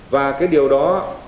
và cái điều đó